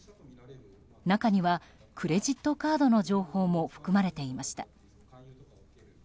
中にはクレジットカードの情報も含まれていました。